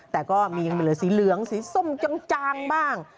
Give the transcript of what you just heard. แต่ก็มีสีเหลืองสชมจำจาลบ้าง